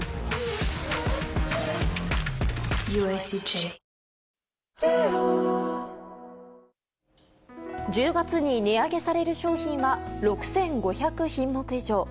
１０月も１０月に値上げされる商品は６５００品目以上。